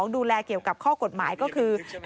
ดูแลเกี่ยวกับข้อกฎหมายก็คือ